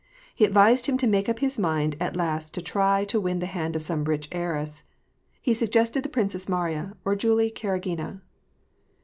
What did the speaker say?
He advised him to make up his mind at last to try to win the hand of some rich heiress. He suggested the Princess Mariya or Julie Karagina.